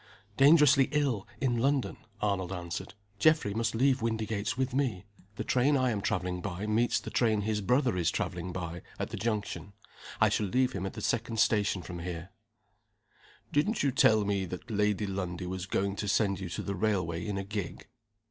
"Dangerously ill, in London," Arnold answered. "Geoffrey must leave Windygates with me. The train I am traveling by meets the train his brother is traveling by, at the junction. I shall leave him at the second station from here." "Didn't you tell me that Lady Lundie was going to send you to the railway in a gig?"